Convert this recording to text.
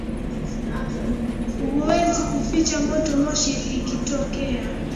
Huwezi kuficha moto moshi ikitokea